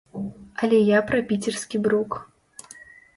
Але я пра піцерскі брук.